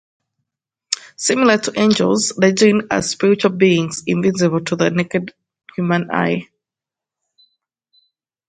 Similar to angels, the Jinn are spiritual beings invisible to the naked human eye.